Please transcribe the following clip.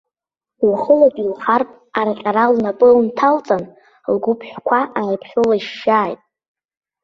Уахылатәи лхарԥ арҟьара лнапы нҭалҵан, лгәыԥҳәқәа ааиԥхьылышьшьааит.